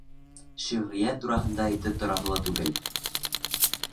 Шиғриәт тураһында әйтеп тораһы ла түгел.